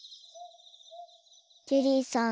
ジェリーさん